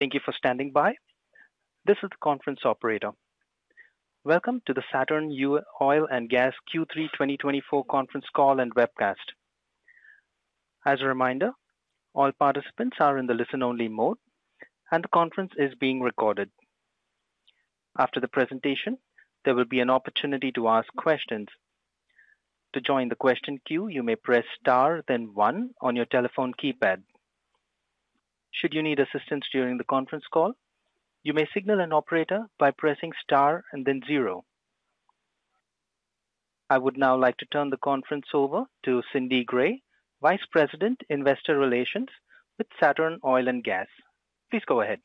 Thank you for standing by. This is the conference operator. Welcome to the Saturn Oil & Gas Q3 2024 Conference Call and webcast. As a reminder, all participants are in the listen-only mode, and the conference is being recorded. After the presentation, there will be an opportunity to ask questions. To join the question queue, you may press star, then 1 on your telephone keypad. Should you need assistance during the conference call, you may signal an operator by pressing star and then 0. I would now like to turn the conference over to Cindy Gray, Vice President, Investor Relations with Saturn Oil & Gas. Please go ahead.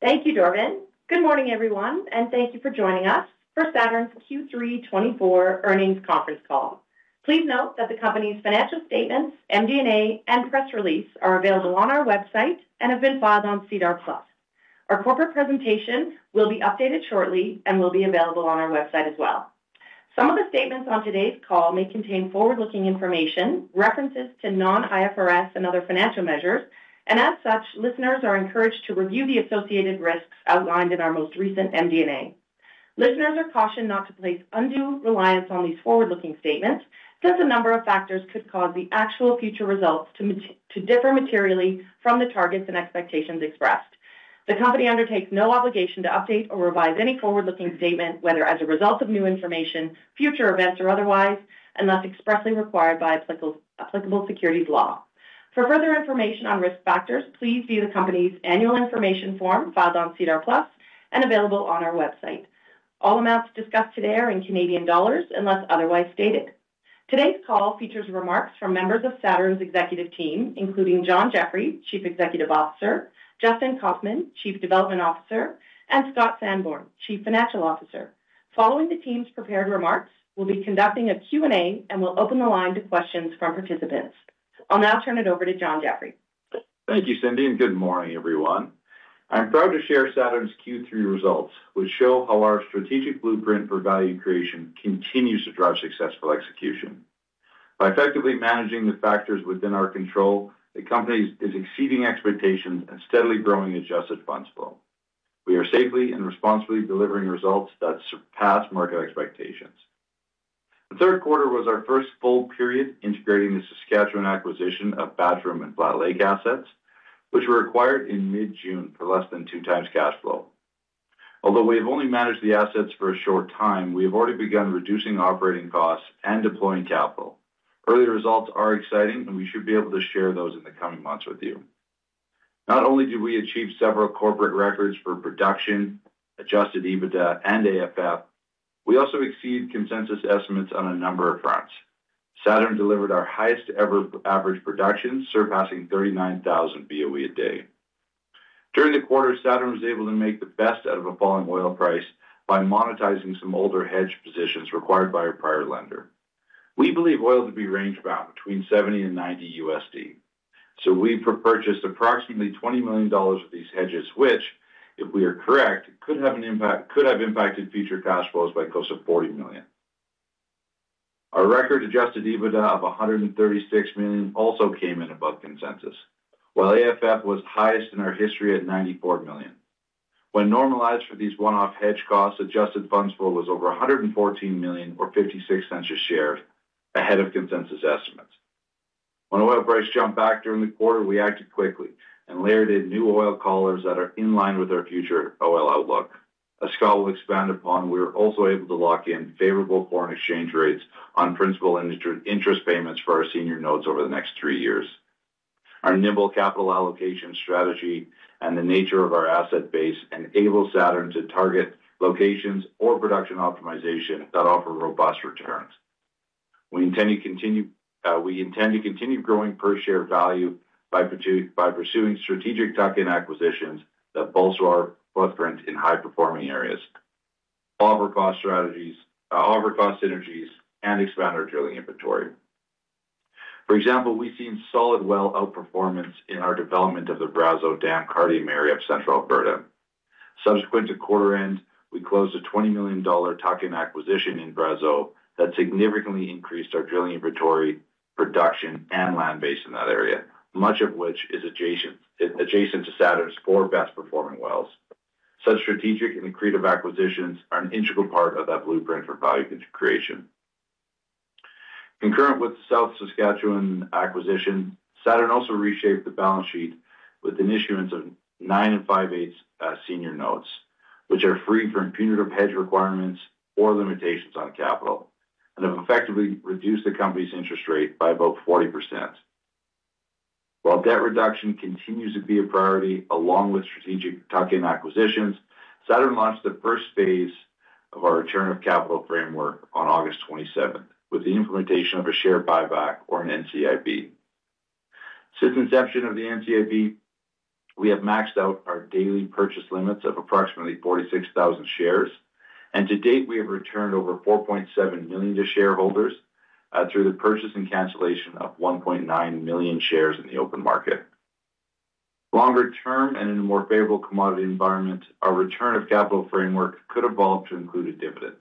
Thank you, Doran. Good morning, everyone, and thank you for joining us for Saturn's Q3 2024 Earnings Conference Call. Please note that the company's financial statements, MD&A, and press release are available on our website and have been filed on SEDAR+. Our corporate presentation will be updated shortly and will be available on our website as well. Some of the statements on today's call may contain forward-looking information, references to non-IFRS and other financial measures, and as such, listeners are encouraged to review the associated risks outlined in our most recent MD&A. Listeners are cautioned not to place undue reliance on these forward-looking statements since a number of factors could cause the actual future results to differ materially from the targets and expectations expressed. The company undertakes no obligation to update or revise any forward-looking statement, whether as a result of new information, future events, or otherwise, unless expressly required by applicable securities law. For further information on risk factors, please view the company's annual information form filed on SEDAR+ and available on our website. All amounts discussed today are in Canadian dollars unless otherwise stated. Today's call features remarks from members of Saturn's executive team, including John Jeffrey, Chief Executive Officer, Justin Kaufmann, Chief Development Officer, and Scott Sanborn, Chief Financial Officer. Following the team's prepared remarks, we'll be conducting a Q&A and will open the line to questions from participants. I'll now turn it over to John Jeffrey. Thank you, Cindy, and good morning, everyone. I'm proud to share Saturn's Q3 results, which show how our strategic blueprint for value creation continues to drive successful execution. By effectively managing the factors within our control, the company is exceeding expectations and steadily growing adjusted funds flow. We are safely and responsibly delivering results that surpass market expectations. The third quarter was our first full period integrating the Saskatchewan acquisition of Battrum and Flat Lake assets, which were acquired in mid-June for less than two times cash flow. Although we have only managed the assets for a short time, we have already begun reducing operating costs and deploying capital. Early results are exciting, and we should be able to share those in the coming months with you. Not only did we achieve several corporate records for production, Adjusted EBITDA, and AFF, we also exceed consensus estimates on a number of fronts. Saturn delivered our highest-ever average production, surpassing 39,000 BOE a day. During the quarter, Saturn was able to make the best out of a falling oil price by monetizing some older hedge positions required by a prior lender. We believe oil to be rangebound between $70 and $90. So we've purchased approximately 20 million dollars of these hedges, which, if we are correct, could have impacted future cash flows by close to 40 million. Our record Adjusted EBITDA of 136 million also came in above consensus, while AFF was highest in our history at 94 million. When normalized for these one-off hedge costs, adjusted funds flow was over 114 million, or 0.56 a share, ahead of consensus estimates. When oil price jumped back during the quarter, we acted quickly and layered in new oil collars that are in line with our future oil outlook. As Scott will expand upon, we were also able to lock in favorable foreign exchange rates on principal and interest payments for our Senior Notes over the next three years. Our nimble capital allocation strategy and the nature of our asset base enables Saturn to target locations or production optimization that offer robust returns. We intend to continue growing per-share value by pursuing strategic tuck-in acquisitions that bolster our footprint in high-performing areas, offer cost synergies, and expand our drilling inventory. For example, we've seen solid well outperformance in our development of the Brazeau Cardium area of Central Alberta. Subsequent to quarter-end, we closed a 20 million dollar tuck-in acquisition in Brazeau that significantly increased our drilling inventory, production, and land base in that area, much of which is adjacent to Saturn's four best-performing wells. Such strategic and creative acquisitions are an integral part of that blueprint for value creation. Concurrent with the Southeast Saskatchewan acquisition, Saturn also reshaped the balance sheet with an issuance of nine and five-eighths Senior Notes, which are free from punitive hedge requirements or limitations on capital, and have effectively reduced the company's interest rate by about 40%. While debt reduction continues to be a priority along with strategic tuck-in acquisitions, Saturn launched the first phase of our return of capital framework on August 27th with the implementation of a share buyback, or an NCIB. Since inception of the NCIB, we have maxed out our daily purchase limits of approximately 46,000 shares, and to date, we have returned over 4.7 million to shareholders through the purchase and cancellation of 1.9 million shares in the open market. Longer term and in a more favorable commodity environment, our return of capital framework could evolve to include a dividend.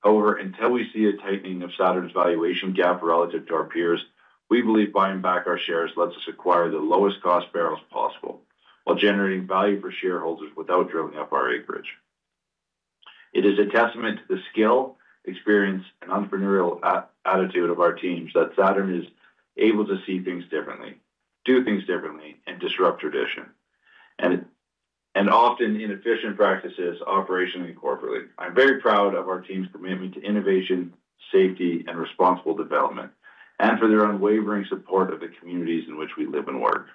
However, until we see a tightening of Saturn's valuation gap relative to our peers, we believe buying back our shares lets us acquire the lowest cost barrels possible while generating value for shareholders without drilling up our acreage. It is a testament to the skill, experience, and entrepreneurial attitude of our teams that Saturn is able to see things differently, do things differently, and disrupt tradition, and often inefficient practices operationally and corporately. I'm very proud of our team's commitment to innovation, safety, and responsible development, and for their unwavering support of the communities in which we live and work.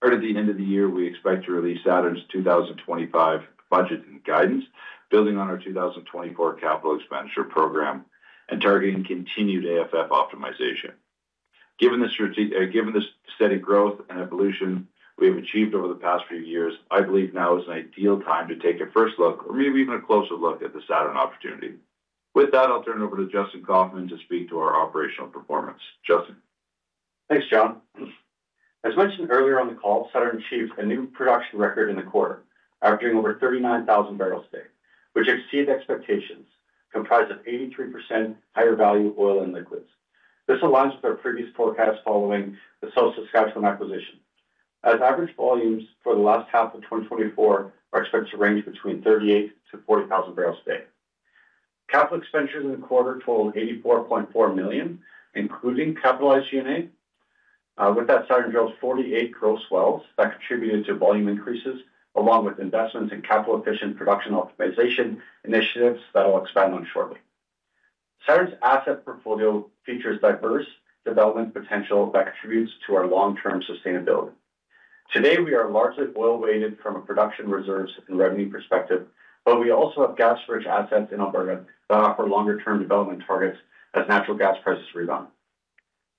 Prior to the end of the year, we expect to release Saturn's 2025 budget and guidance, building on our 2024 capital expenditure program and targeting continued AFF optimization. Given the steady growth and evolution we have achieved over the past few years, I believe now is an ideal time to take a first look, or maybe even a closer look, at the Saturn opportunity. With that, I'll turn it over to Justin Kaufmann to speak to our operational performance. Justin. Thanks, John. As mentioned earlier on the call, Saturn achieved a new production record in the quarter after doing over 39,000 barrels a day, which exceeded expectations, comprised of 83% higher value oil and liquids. This aligns with our previous forecast following the South Saskatchewan acquisition. As average volumes for the last half of 2024 are expected to range between 38,000-40,000 barrels a day. Capital expenditures in the quarter totaled 84.4 million, including capitalized G&A. With that, Saturn drilled 48 gross wells that contributed to volume increases, along with investments in capital-efficient production optimization initiatives that I'll expand on shortly. Saturn's asset portfolio features diverse development potential that contributes to our long-term sustainability. Today, we are largely oil-weighted from a production reserves and revenue perspective, but we also have gas-rich assets in Alberta that offer longer-term development targets as natural gas prices rebound.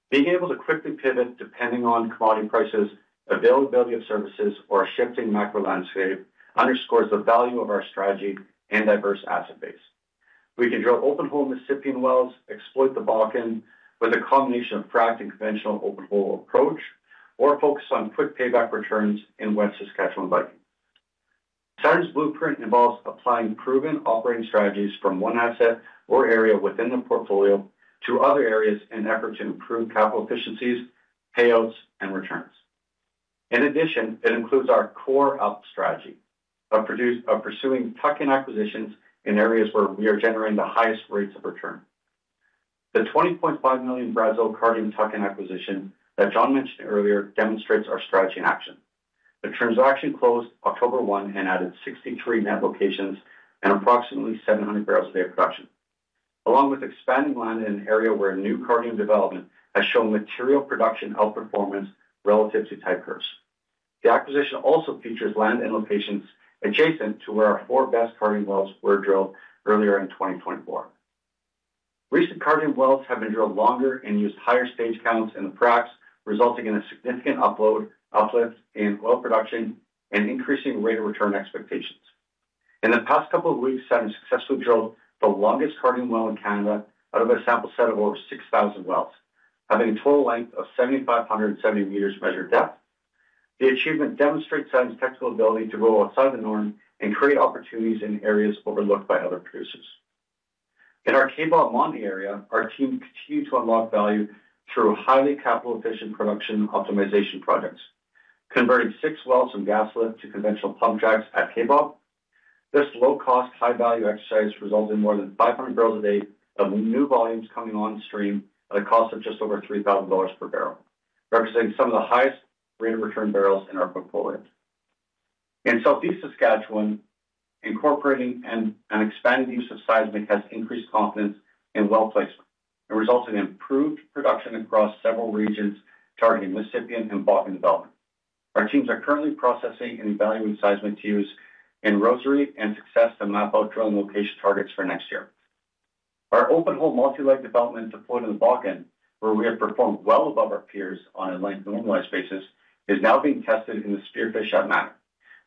Being able to quickly pivot depending on commodity prices, availability of services, or a shifting macro landscape underscores the value of our strategy and diverse asset base. We can drill open hole Mississippian wells, exploit the Bakken with a combination of practicing conventional open hole approach, or focus on quick payback returns in West Saskatchewan Viking. Saturn's blueprint involves applying proven operating strategies from one asset or area within the portfolio to other areas in an effort to improve capital efficiencies, payouts, and returns. In addition, it includes our core area strategy of pursuing tuck-in acquisitions in areas where we are generating the highest rates of return. The 20.5 million Brazeau Cardium tuck-in acquisition that John mentioned earlier demonstrates our strategy in action. The transaction closed October 1 and added 63 net locations and approximately 700 barrels a day of production, along with expanding land in an area where new Cardium development has shown material production outperformance relative to tight curves. The acquisition also features land and locations adjacent to where our four best Cardium wells were drilled earlier in 2024. Recent Cardium wells have been drilled longer and used higher stage counts in the practice, resulting in a significant upload, uplift, in oil production and increasing rate of return expectations. In the past couple of weeks, Saturn successfully drilled the longest Cardium well in Canada out of a sample set of over 6,000 wells, having a total length of 7,570 meters measured depth. The achievement demonstrates Saturn's technical ability to go outside the norm and create opportunities in areas overlooked by other producers. In our Kaybob Montney area, our team continued to unlock value through highly capital-efficient production optimization projects, converting six wells from gas lift to conventional pump jacks at Kaybob. This low-cost, high-value exercise resulted in more than 500 barrels a day of new volumes coming on stream at a cost of just over 3,000 dollars per barrel, representing some of the highest rate of return barrels in our portfolio. In Southeast Saskatchewan, incorporating and expanding the use of seismic has increased confidence in well placement and resulted in improved production across several regions targeting Mississippian and Bakken development. Our teams are currently processing and evaluating seismic to use in Roseray and Success to map out drilling location targets for next year. Our Open-hole Multi-leg development deployed in the Bakken, where we have performed well above our peers on a length normalized basis, is now being tested in the Spearfish at Manning,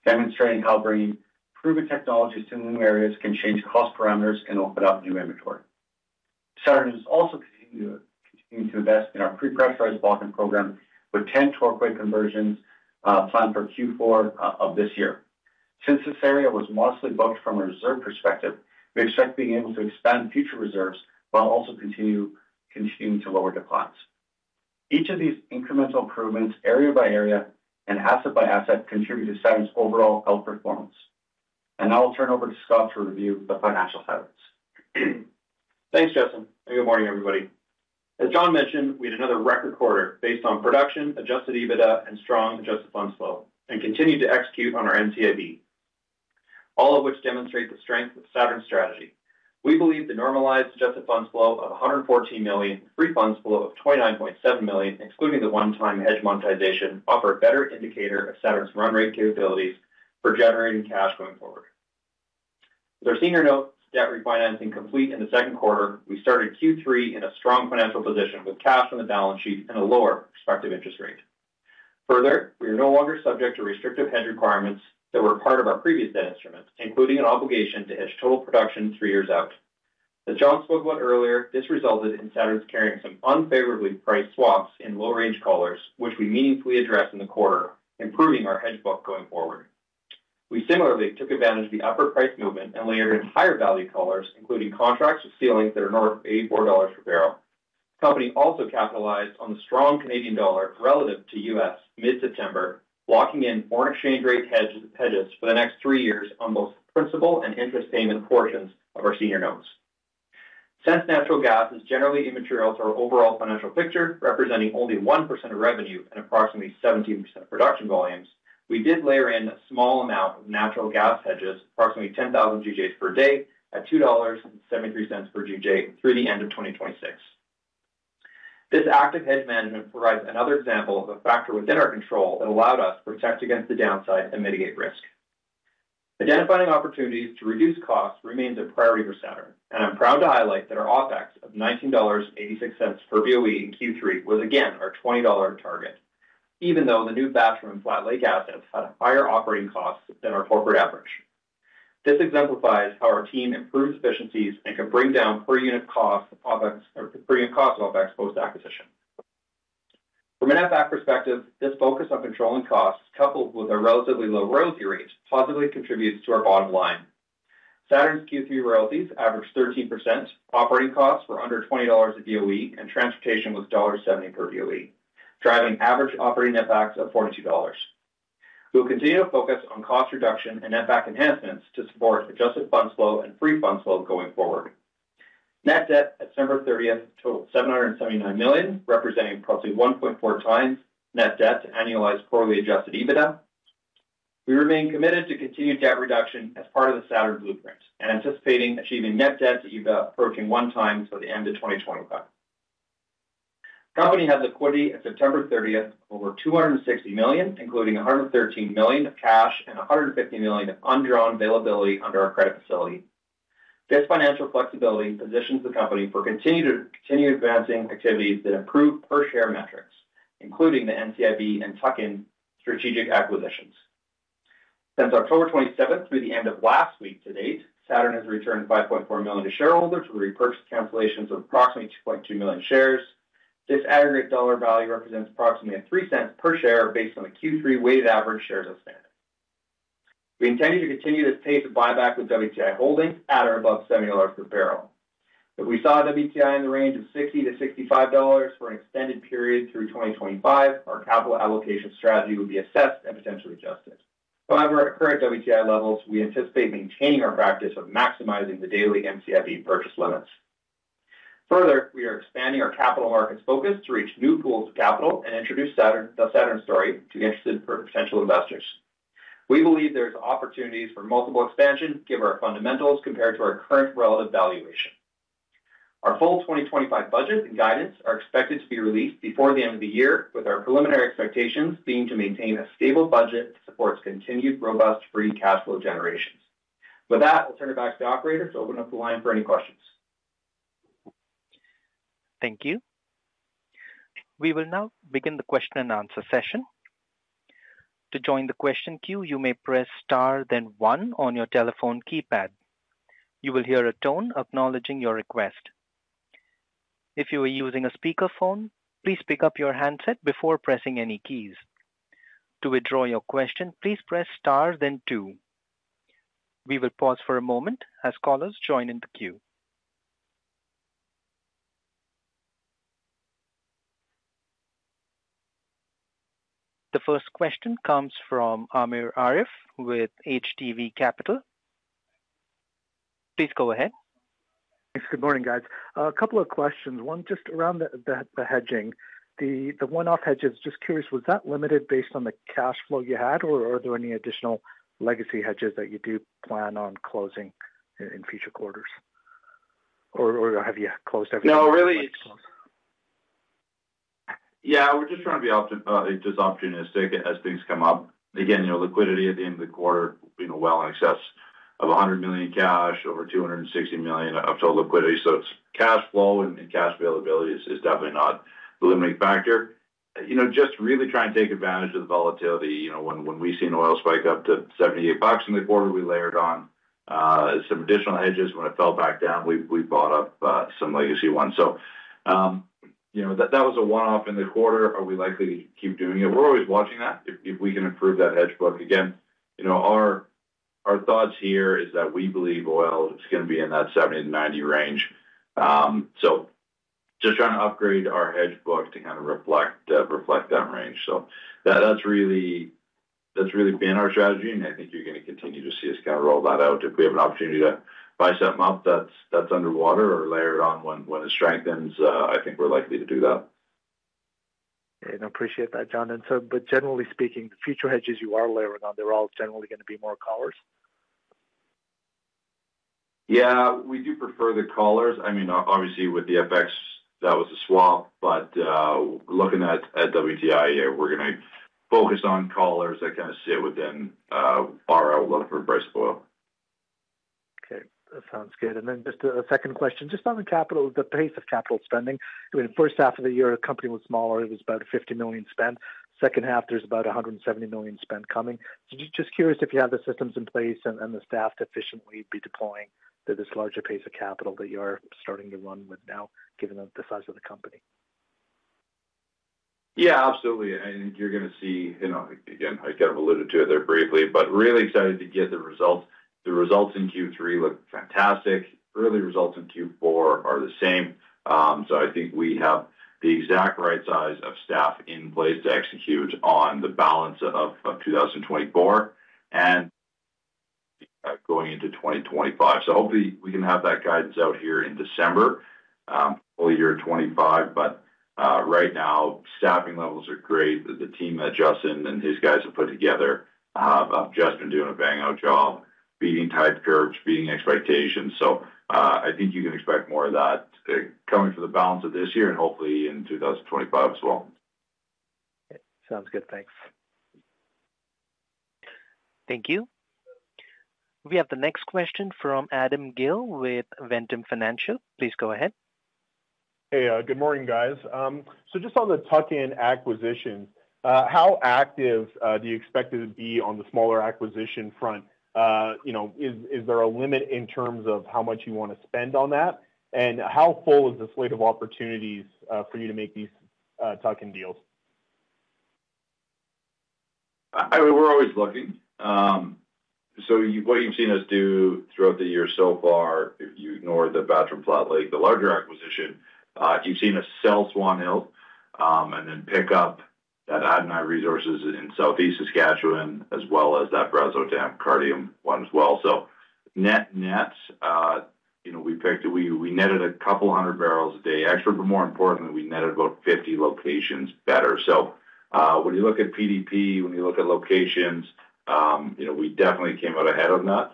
demonstrating how bringing proven technologies to new areas can change cost parameters and open up new inventory. Saturn has also continued to invest in our pre-pressurized Bakken program with 10 Torquay conversions planned for Q4 of this year. Since this area was modestly booked from a reserve perspective, we expect being able to expand future reserves while also continuing to lower declines. Each of these incremental improvements, area by area and asset by asset, contribute to Saturn's overall outperformance, and now I'll turn it over to Scott to review the financial statements. Thanks, Justin, and good morning, everybody. As John mentioned, we had another record quarter based on production, Adjusted EBITDA, and strong Adjusted Funds Flow, and continued to execute on our NCIB, all of which demonstrate the strength of Saturn's strategy. We believe the normalized Adjusted Funds Flow of 114 million and Free Funds Flow of 29.7 million, excluding the one-time hedge monetization, offer a better indicator of Saturn's run rate capabilities for generating cash going forward. With our Senior Notes debt refinancing complete in the second quarter, we started Q3 in a strong financial position with cash on the balance sheet and a lower prospective interest rate. Further, we are no longer subject to restrictive hedge requirements that were part of our previous debt instrument, including an obligation to hedge total production three years out. As John spoke about earlier, this resulted in Saturn's carrying some unfavorably priced swaps in low-range collars, which we meaningfully addressed in the quarter, improving our hedge book going forward. We similarly took advantage of the upper price movement and layered in higher value collars, including contracts with ceilings that are north of $84 per barrel. The company also capitalized on the strong Canadian dollar relative to USD mid-September, locking in foreign exchange rate hedges for the next three years on both principal and interest payment portions of our senior notes. Since natural gas is generally immaterial to our overall financial picture, representing only 1% of revenue and approximately 17% of production volumes, we did layer in a small amount of natural gas hedges, approximately 10,000 GJs per day at 2.73 dollars per GJ through the end of 2026. This active hedge management provides another example of a factor within our control that allowed us to protect against the downside and mitigate risk. Identifying opportunities to reduce costs remains a priority for Saturn, and I'm proud to highlight that our OPEX of 19.86 dollars per BOE in Q3 was again our 20 dollar target, even though the new batch from Flat Lake Assets had higher operating costs than our corporate average. This exemplifies how our team improves efficiencies and can bring down per unit cost of OPEX post-acquisition. From an FX perspective, this focus on controlling costs coupled with our relatively low royalty rates positively contributes to our bottom line. Saturn's Q3 royalties averaged 13%, operating costs were under 20 dollars a BOE, and transportation was dollar 1.70 per BOE, driving average operating FX of 42 dollars. We will continue to focus on cost reduction and FX enhancements to support adjusted funds flow and free funds flow going forward. Net debt as of December 30th totaled 779 million, representing approximately 1.4 times net debt to annualized pro forma adjusted EBITDA. We remain committed to continued debt reduction as part of the Saturn blueprint and anticipating achieving net debt to EBITDA approaching one time by the end of 2025. The company had liquidity at September 30th of over 260 million, including 113 million of cash and 150 million of undrawn availability under our credit facility. This financial flexibility positions the company for continued advancing activities that improve per-share metrics, including the NCIB and tuck-in strategic acquisitions. Since October 27th through the end of last week to date, Saturn has returned 5.4 million to shareholders with repurchase cancellations of approximately 2.2 million shares. This aggregate dollar value represents approximately $0.03 per share based on the Q3 weighted average shares outstanding. We intend to continue this pace of buyback with WTI holding at or above $70 per barrel. If we saw WTI in the range of $60-$65 for an extended period through 2025, our capital allocation strategy would be assessed and potentially adjusted. However, at current WTI levels, we anticipate maintaining our practice of maximizing the daily NCIB purchase limits. Further, we are expanding our capital markets focus to reach new pools of capital and introduce the Saturn story to interested potential investors. We believe there are opportunities for multiple expansion given our fundamentals compared to our current relative valuation. Our full 2025 budget and guidance are expected to be released before the end of the year, with our preliminary expectations being to maintain a stable budget that supports continued robust Free Funds Flow generation. With that, I'll turn it back to the operator to open up the line for any questions. Thank you. We will now begin the question and answer session. To join the question queue, you may press star, then one on your telephone keypad. You will hear a tone acknowledging your request. If you are using a speakerphone, please pick up your handset before pressing any keys. To withdraw your question, please press star, then two. We will pause for a moment as callers join in the queue. The first question comes from Amir Arif with ATB Capital Markets. Please go ahead. Thanks. Good morning, guys. A couple of questions. One just around the hedging, the one-off hedges. Just curious, was that limited based on the cash flow you had, or are there any additional legacy hedges that you do plan on closing in future quarters, or have you closed everything? No, really. Yeah, we're just trying to be just optimistic as things come up. Again, liquidity at the end of the quarter well in excess of 100 million in cash, over 260 million of total liquidity. It's cash flow and cash availability is definitely not the limiting factor. Just really trying to take advantage of the volatility. When we seen oil spike up to $78 in the quarter, we layered on some additional hedges. When it fell back down, we bought up some legacy ones. That was a one-off in the quarter. Are we likely to keep doing it? We're always watching that if we can improve that hedge book. Again, our thoughts here is that we believe oil is going to be in that $70-$90 range. Just trying to upgrade our hedge book to reflect that range. That's really been our strategy, and you're going to continue to see us roll that out. If we have an opportunity to buy something up, that's underwater or layer it on when it strengthens, we're likely to do that. And I appreciate that, John. And so, but generally speaking, the future hedges you are layering on, they're all generally going to be more collars? Yeah, we do prefer the collars. Obviously with the FX, that was a swap, but looking at WTI, we're going to focus on collars that sit within our outlook for price of oil. Okay. That sounds good. And then just a second question, just on the capital, the pace of capital spending. I mean, first half of the year, the company was smaller. It was about 50 million spent. Second half, there's about 170 million spent coming. Just curious if you have the systems in place and the staff to efficiently be deploying this larger pace of capital that you're starting to run with now, given the size of the company. Yeah, absolutely. You're going to see again, alluded to it there briefly, but really excited to get the results. The results in Q3 look fantastic. Early results in Q4 are the same. We have the exact right size of staff in place to execute on the balance of 2024 and going into 2025. Hopefully we can have that guidance out here in December, early 2025. But right now, staffing levels are great. The team that Justin and his guys have put together have just been doing a bang-up job, meeting tight curves, meeting expectations. You can expect more of that coming for the balance of this year and hopefully in 2025 as well. Sounds good. Thanks. Thank you. We have the next question from Adam Gill with Ventum Financial. Please go ahead. Hey, good morning, guys. Just on the tuck-in acquisitions, how active do you expect it to be on the smaller acquisition front? Is there a limit in terms of how much you want to spend on that? And how full is the slate of opportunities for you to make these tuck-in deals? We're always looking. What you've seen us do throughout the year so far, if you ignore the batch from Flat Lake, the larger acquisition, you've seen us sell Swan Hills and then pick up that Adonai Resources in Southeast Saskatchewan, as well as that Brazeau in the Cardium one as well. Net nets we picked, we netted a couple hundred barrels a day extra, but more importantly, we netted about 50 locations better. When you look at PDP, when you look at locations we definitely came out ahead of that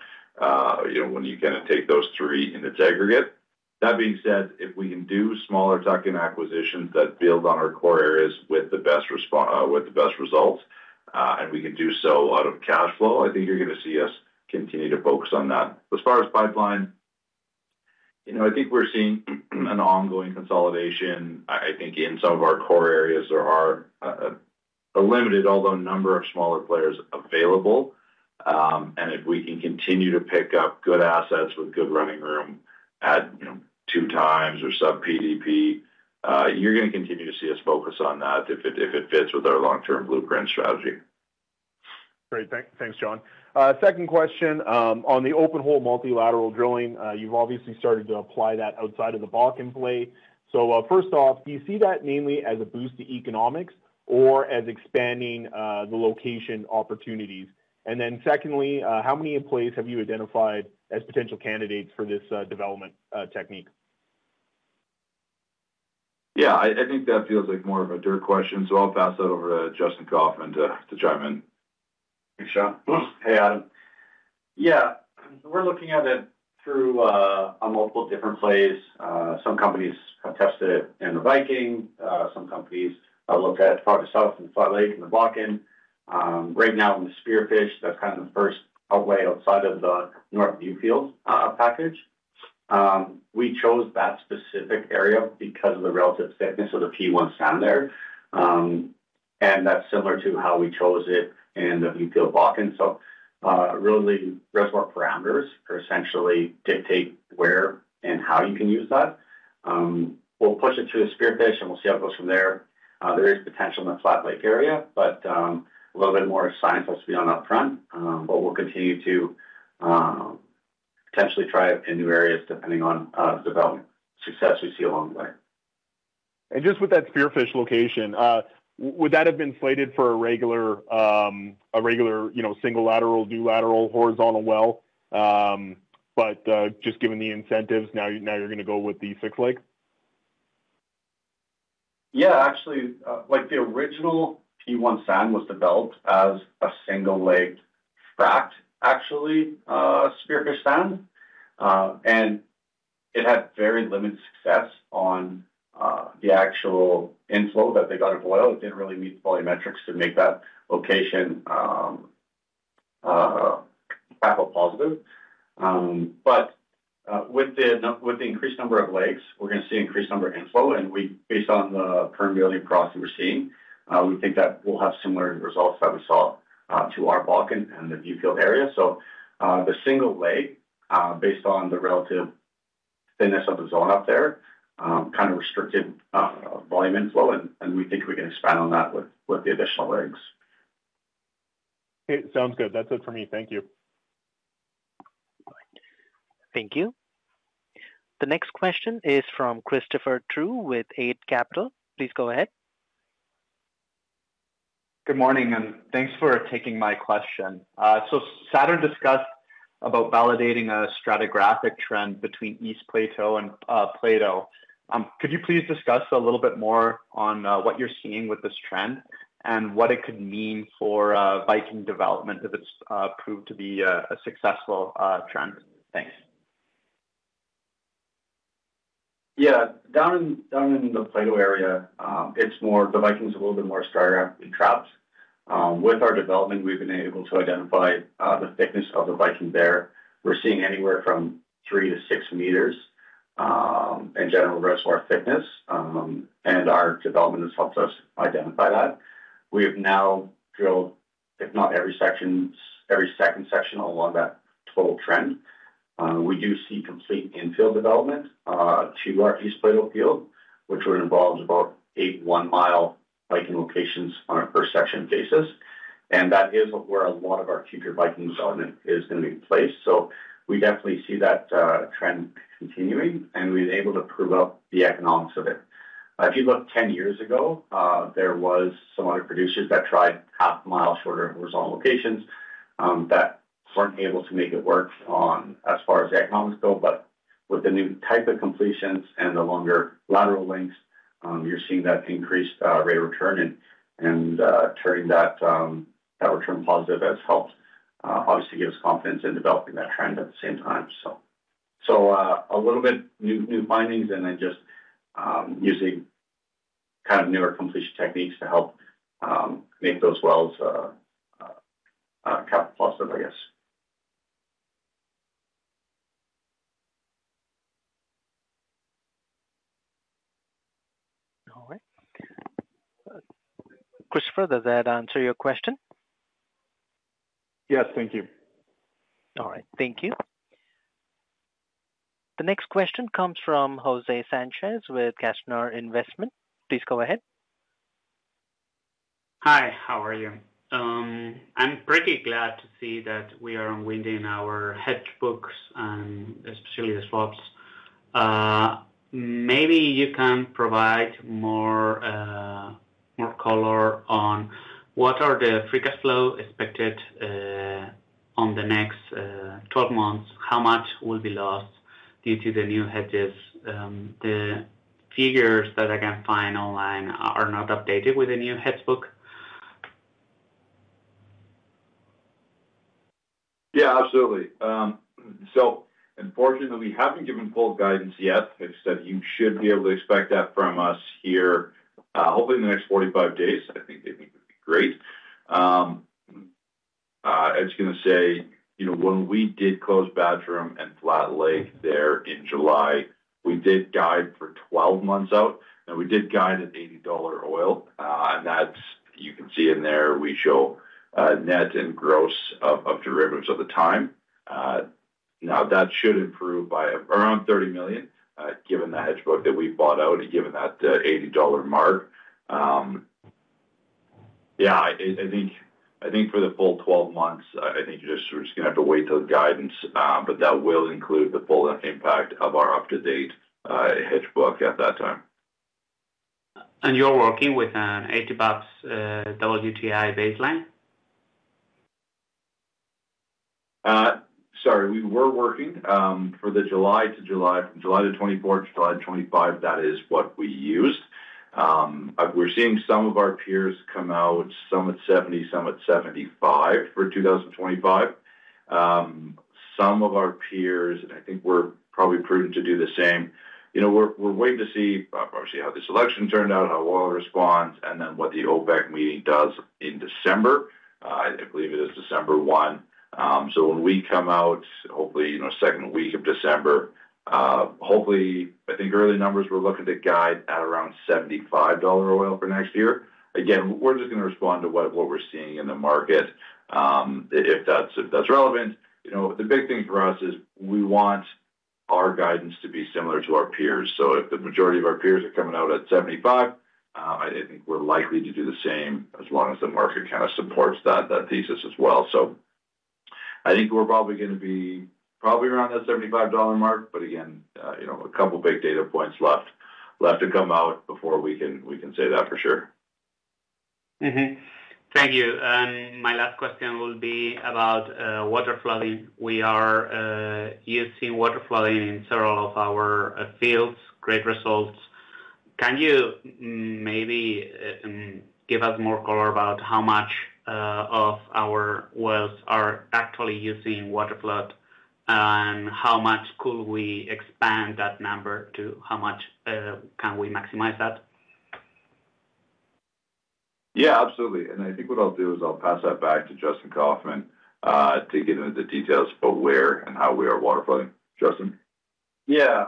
when you take those three in the aggregate. That being said, if we can do smaller tuck-in acquisitions that build on our core areas with the best results, and we can do so out of cash flow, you're going to see us continue to focus on that. As far as pipeline, we're seeing an ongoing consolidation. In some of our core areas, there are a limited number of smaller players available. And if we can continue to pick up good assets with good running room at two times or sub-PDP, you're going to continue to see us focus on that if it fits with our long-term blueprint strategy. Great. Thanks, John. Second question on the open-hole multi-leg drilling. You've obviously started to apply that outside of the Bakken play. First off, do you see that mainly as a boost to economics or as expanding the location opportunities? And then secondly, how many locations have you identified as potential candidates for this development technique? Yeah, that feels like more of a dirt question. I'll pass that over to Justin Kaufmann to chime in. Thanks, John. Hey, Adam. Yeah, we're looking at it through multiple different plays. Some companies have tested it in the Viking. Some companies have looked at part of South and Flat Lake and the Bakken. Right now in the Spearfish, that's the first play outside of the North Newfield package. We chose that specific area because of the relative thickness of the P1 sand there. And that's similar to how we chose it in the Newfield Bakken. Really, reservoir parameters essentially dictate where and how you can use that. We'll push it to the Spearfish and we'll see how it goes from there. There is potential in the Flat Lake area, but a little bit more science has to be done upfront. But we'll continue to potentially try it in new areas depending on the development success we see along the way. And just with that Spearfish location, would that have been slated for a regular single lateral, multi-lateral, horizontal well? But just given the incentives, now you're going to go with the multi-leg? Yeah, actually, like the original P1 sand was developed as a single-leg frac, actually, Spearfish sand. And it had very limited success on the actual inflow that they got out of oil. It didn't really meet the volumetrics to make that location capital positive. But with the increased number of legs, we're going to see an increased number of inflow. And based on the permeability process we're seeing, we think that we'll have similar results that we saw in our Bakken and the North Newfield area. So the single leg, based on the relative thinness of the zone up there restricted volume inflow. And we think we can expand on that with the additional legs. Sounds good. That's it for me. Thank you. Thank you. The next question is from Christopher True with Eight Capital. Please go ahead. Good morning and thanks for taking my question. Saturn discussed about validating a stratigraphic trend between East Plateau and Plateau. Could you please discuss a little bit more on what you're seeing with this trend and what it could mean for Viking development if it's proved to be a successful trend? Thanks. Yeah, down in the Plateau area, it's more the Viking's a little bit more stratigraphically trapped. With our development, we've been able to identify the thickness of the Viking there. We're seeing anywhere from three to six meters in general reservoir thickness. And our development has helped us identify that. We have now drilled, if not every second section along that total trend. We do see complete infield development to our East Plateau field, which would involve about eight one-mile Viking locations on a per-section basis. And that is where a lot of our future Viking development is going to be placed. So we definitely see that trend continuing, and we've been able to prove out the economics of it. If you look 10 years ago, there were some other producers that tried half a mile shorter horizontal locations that weren't able to make it work as far as the economics go, but with the new type of completions and the longer lateral lengths, you're seeing that increased rate of return, and turning that return positive has helped, obviously, give us confidence in developing that trend at the same time, so a little bit new findings, and then just using newer completion techniques to help make those wells capital positive. All right. Christopher, does that answer your question? Yes, thank you. All right. Thank you. The next question comes from Jose Sanchez with Beacon Securities. Please go ahead. Hi, how are you? I'm pretty glad to see that we are unwinding our hedge books and especially the swaps. Maybe you can provide more color on what are the free cash flow expected on the next 12 months, how much will be lost due to the new hedges. The figures that I can find online are not updated with the new hedge book. Yeah, absolutely. So unfortunately, we haven't given full guidance yet. I've said you should be able to expect that from us here, hopefully in the next 45 days. It would be great. I was going to say when we did close Battrum and Flat Lake there in July, we did guide for 12 months out, and we did guide at $80 oil. And that's, you can see in there, we show net and gross of derivatives at the time. Now, that should improve by around 30 million, given the hedge book that we bought out and given that $80 mark. Yeah, for the full 12 months, you're just going to have to wait till the guidance, but that will include the full impact of our up-to-date hedge book at that time. You're working with an $80 WTI baseline? Sorry, we were working for the July to July, from July the 24th to July the 25th, that is what we used. We're seeing some of our peers come out, some at 70, some at 75 for 2025. Some of our peers, and we're probably prudent to do the same. We're waiting to see, obviously, how the election turned out, how oil responds, and then what the OPEC meeting does in December. I believe it is December 1. When we come out, hopefully second week of December, hopefully, early numbers we're looking to guide at around $75 oil for next year. Again, we're just going to respond to what we're seeing in the market, if that's relevant. The big thing for us is we want our guidance to be similar to our peers. If the majority of our peers are coming out at 75, I think we're likely to do the same as long as the market supports that thesis as well. We're probably going to be around that $75 mark, but again a couple big data points left to come out before we can say that for sure. Thank you. And my last question will be about waterflood. We are using waterflood in several of our fields, great results. Can you maybe give us more color about how much of our wells are actually using waterflood and how much could we expand that number to how much can we maximize that? Yeah, absolutely. What I'll do is I'll pass that back to Justin Kaufmann to give him the details about where and how we are water flooding. Justin? Yeah.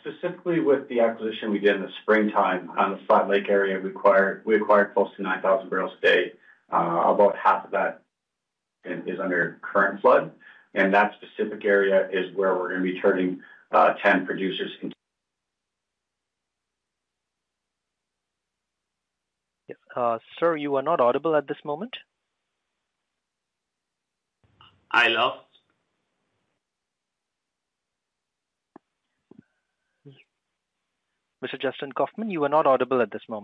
Specifically with the acquisition we did in the springtime on the Flat Lake area, we acquired close to 9,000 barrels a day. About half of that is under waterflood. And that specific area is where we're going to be turning 10 producers into. Yes, sir, you are not audible at this moment. I lost. Mr. Justin Kaufmann, you are not audible at this moment.